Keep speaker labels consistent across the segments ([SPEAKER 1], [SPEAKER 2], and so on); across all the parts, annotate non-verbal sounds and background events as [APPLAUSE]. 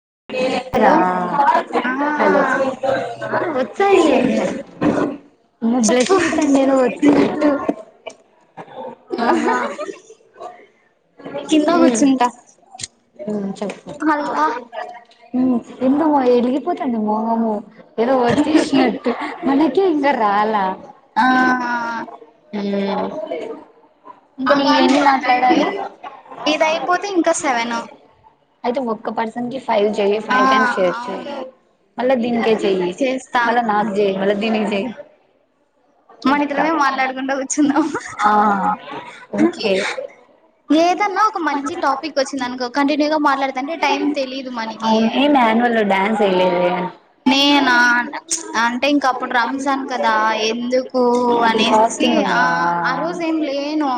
[SPEAKER 1] [UNINTELLIGIBLE]
[SPEAKER 2] Hello ఆ
[SPEAKER 1] అమ్మో
[SPEAKER 2] చెప్పు
[SPEAKER 1] బ్రష్ అయితండె ఏదో వచ్చినట్టు ఆహ
[SPEAKER 2] కింద కూర్చుంట
[SPEAKER 1] ఆ చెప్పు ఎందుమ ఎలిగిపోతాంది మోహము ఏదో వచ్చేసినట్టు మనకె ఇంకా రాల
[SPEAKER 2] ఆ
[SPEAKER 1] ఊ ఇంకా నీవెన్ని మాట్లాడాలి
[SPEAKER 2] ఇది అయిపోతే ఇంకా సెవెన్ ఆ
[SPEAKER 1] అయితే మక్క పర్సన్ ఫైవ్ జెయు ఫైవ్ టైమ్ చేయచ్చు
[SPEAKER 2] అవును
[SPEAKER 1] మళ్ల దీన్ కె జెయ్యి
[SPEAKER 2] చేస్తా
[SPEAKER 1] మళ్ళ నాక్ జెయ్ మళ్ల దీనికి జెయ్
[SPEAKER 2] మన ఇతరమే మాట్లాడకుండా కూచుందామ
[SPEAKER 1] ఆ ఓకే
[SPEAKER 2] ఏదన్న ఒక మంచి టాపిక్ వచ్చింది దనుకో కంటిన్యూగా మాట్లాడుతుంటే టైం తెలీదు మనకి
[SPEAKER 1] అవును ఏమి యాన్యువల్ లో డాన్స్ వేయలేదే
[SPEAKER 2] నేనా ప్చ్ అంటే ఇంక అప్పుడు రంజాన్ కదా ఎందుకూ
[SPEAKER 1] అప్పుడు
[SPEAKER 2] అనేసి
[SPEAKER 1] ఫాస్టింగ్
[SPEAKER 2] ఆ
[SPEAKER 1] ఉన్నావా
[SPEAKER 2] ఆ రోజ్ ఏం లేను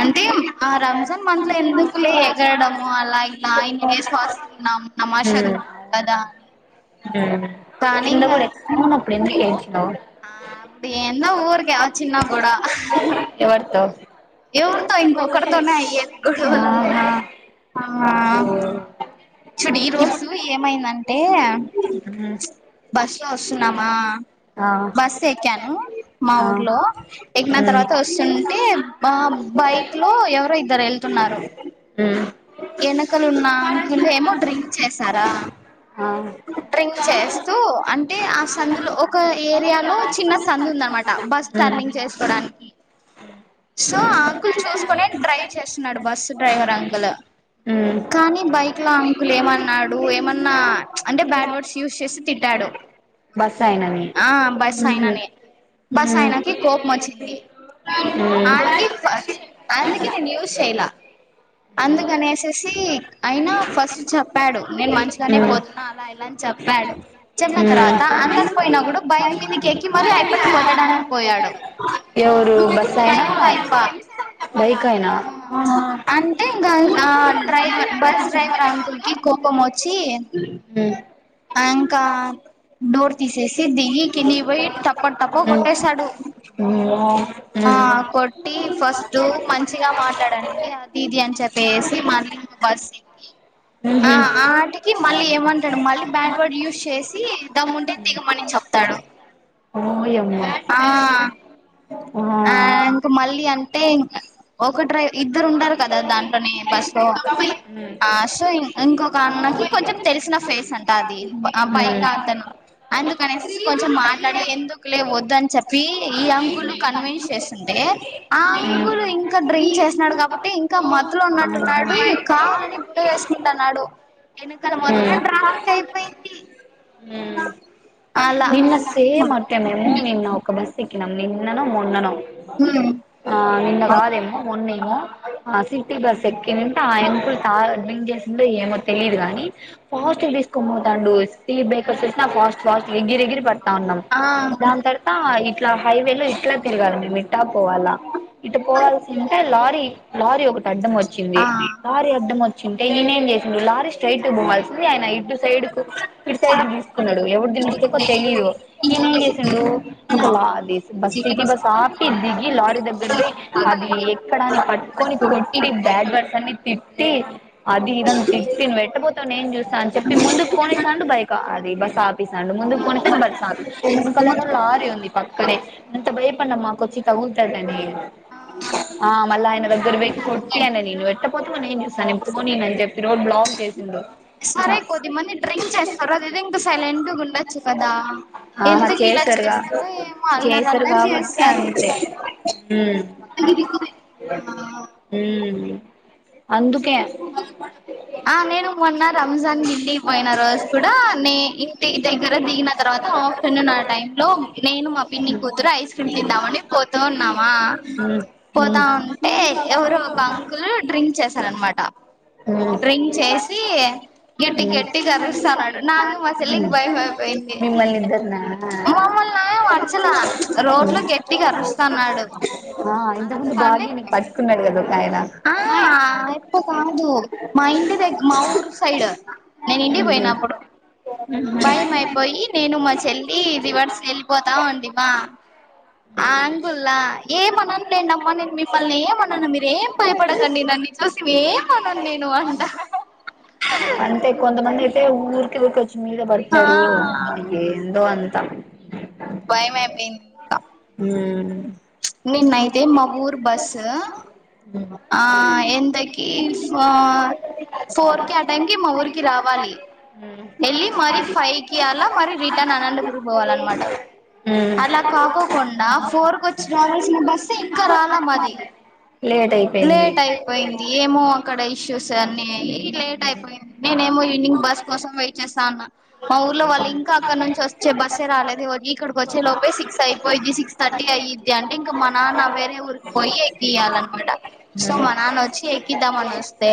[SPEAKER 2] అంటే ఆ రంజాన్ మంత్ ల ఎందుకు గరడము అలా ఇలా ఇన్ని డేస్ ఫాస్టింగ్ ఉన్నము నమాజ్ చదుకున్నం కదా అని
[SPEAKER 1] ఊ
[SPEAKER 2] కానీ
[SPEAKER 1] కింద
[SPEAKER 2] ఇంకా
[SPEAKER 1] కూడా ఏ అవును అప్పుడు ఎందుకు ఏడ్చినవ్
[SPEAKER 2] ఆ అప్పుడు ఏందో ఊరుకే ఓ చిన్న గొడవ
[SPEAKER 1] ఎవరితో
[SPEAKER 2] ఎవరుతో ఇంకొర్తోనే అయ్యేది గొడవలన్నీ
[SPEAKER 1] ఆహా
[SPEAKER 2] ఆ చుడు ఈ రోజు ఏమైందంటే
[SPEAKER 1] హ్మ్
[SPEAKER 2] ప్చ్ లో వస్తున్నామా
[SPEAKER 1] ఆ
[SPEAKER 2] బస్ ఎక్కాను మా
[SPEAKER 1] ఆ
[SPEAKER 2] ఊర్లో ఎకిన
[SPEAKER 1] హ్మ్
[SPEAKER 2] తర్వాత వస్తుంటే మా బైక్ లో ఎవరో ఇద్దరు వెళ్తు ఉన్నారు
[SPEAKER 1] ఊ
[SPEAKER 2] ఎనకల ఉన్న అంకుల్ ఏమో డ్రింక్ చేసారా
[SPEAKER 1] ఆ
[SPEAKER 2] డ్రింక్ చేస్తూ అంటే ఆస్ సందులో ఒక ఏరియాలో చిన్న సందుదనమాట బస్
[SPEAKER 1] హ్మ్
[SPEAKER 2] టర్నింగ్ చేసుకోడానికి సో అంకుల్ చూసుకొనే డ్రైవ్ చేస్తున్నాడు బస్ డ్రైవర్ అంకులు
[SPEAKER 1] ఊ
[SPEAKER 2] కానీ బైక్ ల అంకుల్ ఏమన్నాడు ఏమన్నా ప్చ్ అంటే బ్యాడ్ వర్డ్స్ యూస్ చేసి తిట్టాడు
[SPEAKER 1] బస్ ఆయనని
[SPEAKER 2] ఆ బస్
[SPEAKER 1] ఊహూ
[SPEAKER 2] అయిననే బస్
[SPEAKER 1] హ్మ్ హ్మ్
[SPEAKER 2] అయినకి కోపం వచ్చింది ఆటికి ఫస్ అందుకే నేను యూస్ చేయలా అందుకనేస్ తీక్ అయినా ఫస్ట్ చెప్పాడు నేను మంచిగానే పోతున్నా అలా ఇలాని చెప్పాడు చిన్న తర్వాత అందకి పోయిన ఒకడు బైక్ మీదకి ఎక్కి మరి అయిపన్ కొట్టడానికి
[SPEAKER 1] హ్మ్
[SPEAKER 2] పోయాడు
[SPEAKER 1] ఓ బస్ ఆయన
[SPEAKER 2] బైక్ అయిప
[SPEAKER 1] బైక్ అయన ఆహా
[SPEAKER 2] ఇగ ఆ డ్రైవర్ బస్ డ్రైవర్ అంకుల్ కి కోపం వచ్చి
[SPEAKER 1] మ్మ్
[SPEAKER 2] ఆ ఇంకా డోర్ తీసేసి దిగి కిందికి పోయి టప టప కొట్టేసాడు
[SPEAKER 1] అమ్మో
[SPEAKER 2] ఆ కొట్టి ఫస్టు మంచిగా మాట్లాడండి అదీదని అని చెప్పేసి మళ్లి ఏమో బస్ దిగి ఆ
[SPEAKER 1] మ్మ్
[SPEAKER 2] ఆటికి మళ్లి ఏమంటడు మళ్లి బ్యాడ్ వర్డ్ యూస్ చేసి దమ్ముంటే దిగమని చెప్తాడు
[SPEAKER 1] ఓయమ్మ
[SPEAKER 2] ఆ ఆ ఇంకా మళ్లి అన్ అంటే ఇంక ఒక డ్రైవ్ ఇద్దరు ఉండరు కదా దాంట్లోనే బస్ లో ఆ సో ఇం ఇంకొక అన్నకి కొంచెం తెలిసిన ఫేస్ అంట అద్ తి ఆ బైకా అతన ఎందుకు కనేసి కొంచెం మాట్లాడి ఎందుకులే వద్దని చెప్పి ఈ అంకులు కన్విన్స్ చేస్తుండే ఆ ఇంకులు ఇంకా డ్రింక్ చేసినడు కాబట్టి ఇంకా మత్తులో ఉన్నట్టున్నాడ్ ఆడు కావాలని గుడ చేసుకుంటున్నాడు ఎనకల మొత్తం ట్రాఫిక్ అయిపోయింది అలా
[SPEAKER 1] నిన్న సేమ్ అటె మేము నిన్న ఒక బస్ ఎకినం నిన్ననో మొన్ననో ఆ నిన్న కాదేమో మొన్నేమో ఆ సిటీ బస్ ఎక్కి ఏనంటే ఆ అంకుల్ తాగడు డ్రింగ్ చేసిండో ఏమో తెలిదు కాని ఫాస్ట్ తీసుకొని పోతాండు స్టీర్ బేకర్స్ ఏసిన ఫాస్ట్ ఫాస్ట్ ఎగిర ఎగిరి పడతా ఉన్నాం
[SPEAKER 2] ఆ
[SPEAKER 1] దాని తర్వాత ఇద్ ఇట్లా హైవే లో ఇట్లా తిరగాలండి మిట్టా పోవాలా ఇటు పోవల్సి ఉంటే లా తీ లారీ ఒకటి అడ్డం వచ్చింది
[SPEAKER 2] ఆ
[SPEAKER 1] లారీ అడ్డం వచ్చింటే ఈయనం చేసిండు లారీ ఇటు పోవాల్సింది ఆయన ఇటు సైడ్ కు ఇటు సైడ్ తీసుకున్నాడు ఎవరిది మస్టేకో తెలియదు ఈయనం చేసిాండు ఇంకా లా బస్ ఇటి బస్ ఆపి దిగి లారీ దగ్గర పోయి ఆ అది ఎక్కడాని పట్టుకొని కొట్టి బ్యాడ్ పర్సన్ అన్ని తిట్టి అది ఇది అని తిట్టి ఎట్టబోతావ్ నేను చూస్తా అని చెప్పి ముందుకు పోనేసాండు బైక అది బస్ ఆపిసాండు ముందు పోనిస్తేబడుసా వెనకాలేమో లారీ ఉంది పక్కనే అంత భయపడిమ్మా మికొచ్చి తగులుతదని ఆ మల్ల ఆయన దగ్గర బేకు కొట్టి అనినా నేను వెట్ట్ట పోతువ్ నేన్ చుస్తా అని చెప్ప నేనుబ్లాక్ చే
[SPEAKER 2] సరే కొద్దిమంది డ్రింక్ చేస్తారు అదే దో ఇంకా సైలెంట్గా ఉండొచ్చు కదా
[SPEAKER 1] ఆహా
[SPEAKER 2] ఎందుకు ఇలా
[SPEAKER 1] చేసారుగా
[SPEAKER 2] చేస్తారు ఏమో అల్లరి అల్లరు చేస్తారు
[SPEAKER 1] హ్మ్మ్ హ్మ్మ్ అందు
[SPEAKER 2] ఆ నేను మొన్న రంజాన్ గఢిల్లీ పోయిన రోజు కూడా నేనీ ఇంటి దగ్గర దిగిన తర్వాత ఆఫ్టర్నూన్ ఆ టై లో నేను మా పిన్ని
[SPEAKER 1] ఉమ్
[SPEAKER 2] కూతురు ఐస్ క్రీమ్ తిందామని పోతూ ఉన్నామా
[SPEAKER 1] ఉమ్
[SPEAKER 2] పోతావుంటే ఎవరు ఒక అంకుల్ డ్రింక్ చేశారనమాట
[SPEAKER 1] ఉమ్
[SPEAKER 2] డ్రింక్ చేసి గట్టి గట్టి గరిస్తాన్నాడు నాక మా చెల్లికి భయం పోయింది
[SPEAKER 1] మిమ్మల్ని ఇద్దరినా
[SPEAKER 2] మమ్మల్ని ఏం అర్చల రోడ్లు గట్టిగా అరుస్తాన్ న్నాడు
[SPEAKER 1] ఆ ఇంతకుముందు
[SPEAKER 2] అరుస్తాంటే
[SPEAKER 1] భాగ్య నీకు పట్టుకున్నాడు కదా ఒక ఆయన
[SPEAKER 2] హా అప్పు కాదు మా ఇంటి దగ్గర మా ఊరు సైడ్ నేను ఇంటికి
[SPEAKER 1] ఉహు
[SPEAKER 2] పోయినప్పుడు భయం అయిపోయి నేను మాచెల్లి రివర్స్ వెళ్ళిపోతా ఉంటిమా ఆ అంగుల్లా ఏమన్నాను లేండమ్మా నేను మిమ్మల్ని ఏమన్నాను మీరేం భయపడకండి నన్ని చూసి ఏం అనను నేను అంటా
[SPEAKER 1] అంతే కొంత మంది అతే కచ్చ మీద
[SPEAKER 2] ఆ
[SPEAKER 1] బడతారు ఎందో అంతా
[SPEAKER 2] భయమైపోయింది తా
[SPEAKER 1] హ్మ్మ్
[SPEAKER 2] నిన్నా అయితే మా ఊర్ బస్ ఆ ఎంతకీ ఫోర్ కి ఆ టైం కి మా ఊరికి రావాలి వెళ్ళి మరి ఫైవ్కిి అలా మరి రిటర్న్ అనంతపుర్ పోవాల అన్నమాట
[SPEAKER 1] హ్మ్మ్
[SPEAKER 2] కొండా ఫోర్ కు వచ్చి రావల్సిన బస్సు ఇంకా రాలా మాది
[SPEAKER 1] లేట్ అయిపోయింది
[SPEAKER 2] లేట్ అయిపోయింది ఏమో అక్కడ ఇష్యూస్ అని లేట్ అయిపోయింది నేనేమో ఈవినింగ్ బస్ కోసం వెయిట్ చేస్తా ఉన్నా మా ఊర్లో వాళ్ళు ఇంకా అక్కడ నుంచి వచ్చే బస్సే రాలేదు ఇక్కడికి వచ్చే లోపే సిక్స్ అయిపోయిద్ది సిక్స్ థర్టీ ది అయిద్ది అంటే ఇంకా మా నాన్న వేరే ఊరికి పోయి ఎక్కియాల అనమాట సో మా నాన్న వచ్చి ఎ ఇద్దామని వస్తే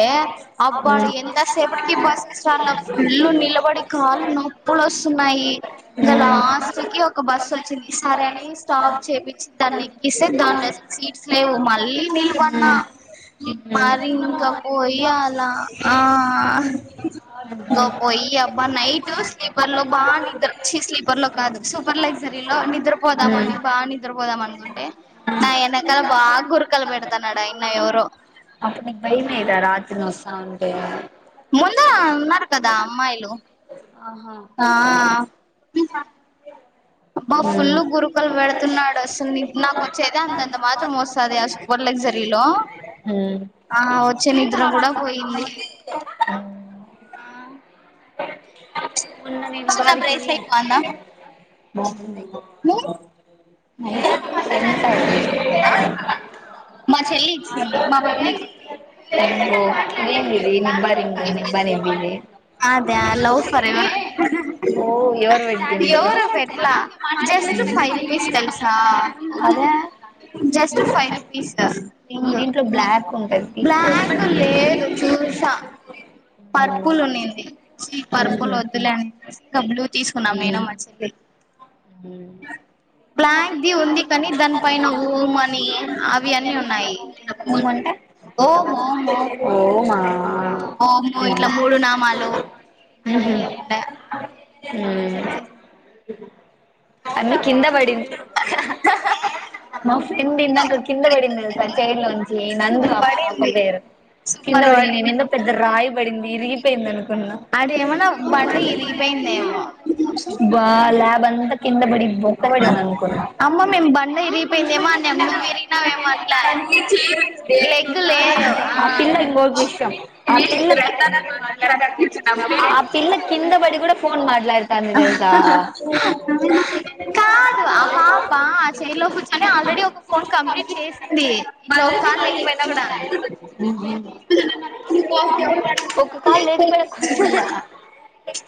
[SPEAKER 1] ఉమ్
[SPEAKER 2] అబ్బాడు
[SPEAKER 1] ఉమ్
[SPEAKER 2] ఎంతసేపటికి బస్ ఇ స్టాండ్ లో ఫుల్ నిలబడి కాలు నొప్పులు వస్త తున్నాయి ఇంకా లాస్ట్ కి ఒక బస్ వచ్చింది ఈ సరే అని స్టాప్ చేయిించింది దాన్ని ఎక్కి ఇసే దాంట్లో సీట్స్ లేవు మళ్ళీ నిలబడిన ఇ మరి ఇంకా పోయి అలా ఆ పోయి అబ్బా నైట్ స్లీపర్ లో బ చి స్లీపర్స్ లో కాదు సూపర్ లగ్జ లో నిద్రపోదామ
[SPEAKER 1] ఉమ్
[SPEAKER 2] అని
[SPEAKER 1] ఉమ్
[SPEAKER 2] బాగా నిద్రపోదాం అనుకుంటే నా ఎనకాల బాగా గురకలు పెడతాడ నైనా ఎవరో
[SPEAKER 1] అప్పుడు నీకు భయమేయదా రా అవునులే
[SPEAKER 2] ముందు ఉన్నారు కదా అమ్మాయిలు
[SPEAKER 1] ఆహా
[SPEAKER 2] ఆ అబ్బా ఫుల్
[SPEAKER 1] మ్మ్
[SPEAKER 2] గురుకలు పెడుతున్నాడు అసల్. నీ నాకు ఓచ్చేదే అంతంత మాత్రం ఓస్తాది ఆ సూపర్ లగ్జరీలో.
[SPEAKER 1] మ్మ్
[SPEAKER 2] ఆ, ఆ వచ్చే నిద్ర గుడా పోయింది. ఆ.
[SPEAKER 1] మొన్న నేన్ ఉగాదికి,
[SPEAKER 2] అన్దా.
[SPEAKER 1] బాగుంది. [INAUDIBLE] మా చెల్లి.
[SPEAKER 2] ఇచ్చింది మా పిన్ని
[SPEAKER 1] [INAUDIBLE] ఏందో ఎందిది నిబ్బా, నిబ్బి, నిబ్బ నిబ్బి ది.
[SPEAKER 2] అదా, లవ్ ఫర్ ఎవర్.
[SPEAKER 1] ఓ ఎవరు పెట్టిండు
[SPEAKER 2] ఎవరు పెట్లా, జస్ట్ ఫైవ్ రుపీస్ తెలుసా.
[SPEAKER 1] అదే
[SPEAKER 2] జస్ట్ ఫైవ్ రూపీస్ దా ఇంగ్,
[SPEAKER 1] దీంట్లో బ్లాక్ ఉంటది తీసుకోవచ్చు
[SPEAKER 2] బ్లాక్ లేదు. చూసా
[SPEAKER 1] మ్మ్
[SPEAKER 2] పర్పుల్ ఉన్నింది. చీ పర్పుల్ ఓద్దులే అనేసి ఇంకా బ్లూ, తీసుకున్నాం, నేను,
[SPEAKER 1] మ్మ్
[SPEAKER 2] మా చెల్లీ.
[SPEAKER 1] మ్మ్
[SPEAKER 2] బ్లాక్ ది ఉంది కానీ, దాని పైన ఓం మనీ, అవి అన్నీ ఉన్నాయి.
[SPEAKER 1] ఉంగుంటే
[SPEAKER 2] ఓం, ఓం, ఓం.
[SPEAKER 1] ఓమా
[SPEAKER 2] ఆ ఓము ఇట్లా, మూడు నామాలు అన్ని
[SPEAKER 1] ఉహు
[SPEAKER 2] ఉన్నాయండ. వచ్చేస్.
[SPEAKER 1] అన్న కింద బడింది. మా ఫ్రెండ్ ఇందాక కిందబడింది తెలుసా, చెైర్లో నుంచి, నందు
[SPEAKER 2] సూపర్
[SPEAKER 1] ఆ పాప
[SPEAKER 2] పడింది
[SPEAKER 1] పేరు. కింద
[SPEAKER 2] సూపర్
[SPEAKER 1] బడింది,
[SPEAKER 2] పడింది
[SPEAKER 1] నిన్ను పెద్ద రాయ్ పడింది, ఇరిగి
[SPEAKER 2] అడ ఏమన్నా బండ ఇరిగిపోయిందేమో
[SPEAKER 1] బ్బా ల్యాబ్ అంత కిందబడిన్, బొక్కపడింద్ అందు,
[SPEAKER 2] అమ్మ మేము బండ ఇరిగిపోయిందే ఏమో అన్యము. నువ్వు ఇరిగినావ్ ఏమో అట్లా. ఏ లెగ్గు
[SPEAKER 1] ఆ పిల్ల ఇంగో విషయం, ఆ పిల్లక్, ఆ పిల్ పిల్ల కింద బడి గుడా, ఫోన్ మాట్లాడుతాంది దేల్సా.
[SPEAKER 2] కాదు ఆ పాపా ఆ చైర్లో కూర్చొని, ఆల్రెడీ ఒక ఫోన్ కంప్లీట్ చేసింది. మరి ఒక కాల్ లేకపోయిన్
[SPEAKER 1] పోయిన గూడా. ఒక కాల్, లేకపోయి కూర్చుందా.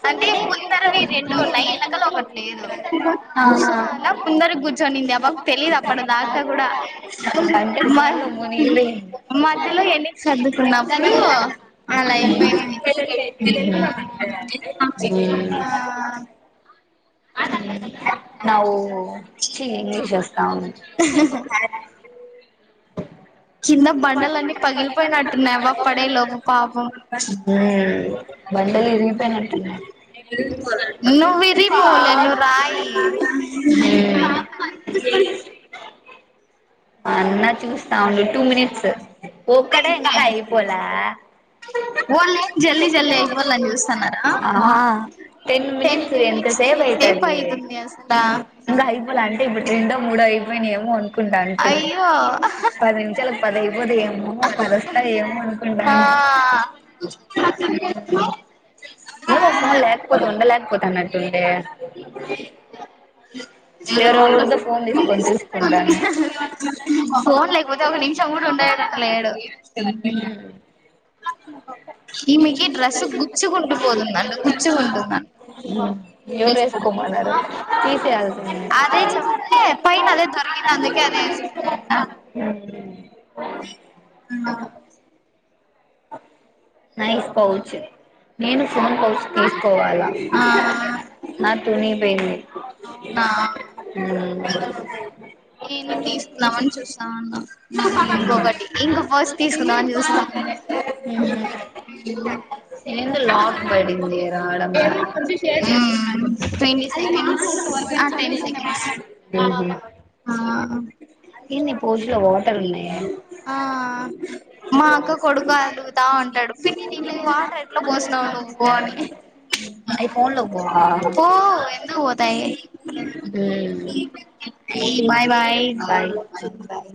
[SPEAKER 2] అంటే ముందరవి రెండు ఉన్నాయి, ఎనకల ఒకటి లేదు.
[SPEAKER 1] ఆ.
[SPEAKER 2] ముందరకి కూర్చొనింది ఆ పాపక్ తెలీదు అప్పడ దాకా గుడా.
[SPEAKER 1] అంటే ఫోన్
[SPEAKER 2] మన్
[SPEAKER 1] లో మునిగిపోయింది
[SPEAKER 2] మధ్యలో ఎన్నికి సర్దుకున్నాం, కాను అలా అయిపోయింది. ఆ ఆ ఆ.
[SPEAKER 1] ఉమ్ దావు, చీ ఇంగ్లీష్ ఓస్తా ఉంది.
[SPEAKER 2] కింద బండలన్నీ పగిలిపోయినట్టున్నాయి, అవ్వ పడే లోపూ పాపం.
[SPEAKER 1] బండలు ఇరిగిపోయినట్టున్నాయి
[SPEAKER 2] నువ్ ఇరిగిపోలేద్, నువ్ రాయి. [INAUDIBLE]
[SPEAKER 1] అన్న చూస్తా ఉండు టూ మినిట్స్. ఒక్కడే ఇంకా అయిపోలా.
[SPEAKER 2] ఓన్లీ జెల్ది జిల్ది, అయిపోలాని జుస్తున్నారా.
[SPEAKER 1] ఆ టెన్ మినిట్స్ ఎంత సేపు అయితాది.
[SPEAKER 2] అయితుంది అసలా
[SPEAKER 1] ఇంకా అయిపోల అంటే ఇప్పుడు రెండో, మూడో అయిపో అయిపోనై ఏమో అనుకుంటాన్,
[SPEAKER 2] అయ్యో.
[SPEAKER 1] పది నిమిషాలక్ పది అయిపోతయేమో, పదోస్తాయ్ ఏమో, అనుకుంటండా.
[SPEAKER 2] చేస్తునావ్.
[SPEAKER 1] ఏమో ఫోన్ లేకపోతే, ఉండలేకపోతన్ అన్నట్టుఉంది. ఎరెవరిదో ఫోన్ దిసుకొని, చుసుకుంన్ దాన్ని.
[SPEAKER 2] ఒక ఫోన్ లేకపోతే, ఒక నిమిషం గుడా ఉండే అట్టు లేడు.
[SPEAKER 1] [UNINTELLIGIBLE] హో
[SPEAKER 2] ఈమెకి డ్రెస్సు గుచ్చుకుంటూ పోతుందండి గుచ్చుకుంటుందండి
[SPEAKER 1] ఎవరు ఏసుకోమన్నారు తీసేయాలటండి
[SPEAKER 2] అదే తీసుకుందంట
[SPEAKER 1] ఉ
[SPEAKER 2] ఇంగ
[SPEAKER 1] నైస్ పౌచ్ నేను ఫోన్ పౌచ్ కేస్ తీసుకోవాలా
[SPEAKER 2] ఆ
[SPEAKER 1] నాది తునిపోయింది
[SPEAKER 2] అవునా నేను తీసుకుందామని చూస్తాన్నా ఇంకొకటి ఇంక ఫస్ట్ తీసుకుందామని చూస్తా
[SPEAKER 1] ఉహు లాగ్ పడింది రావడం లా
[SPEAKER 2] ట్వంటీ సెకండ్స్ ఆ టెన్ సెకండ్స్
[SPEAKER 1] అంతే
[SPEAKER 2] ఆ
[SPEAKER 1] ఏంది పోజులో వాటర్ ఉన్నాయా
[SPEAKER 2] ఆ మా అక్క కొడుకు బా అలుగుత ఉంటాడు పిన్ని దీంట్లేకి వాటర్ ఎట్లా పోసినావు నువ్వు అని
[SPEAKER 1] అయి ఫోన్ లోకి పోవా
[SPEAKER 2] పో ఎందుకు పోతాయి
[SPEAKER 1] ఉమ్
[SPEAKER 2] bye bye
[SPEAKER 1] bye bye bye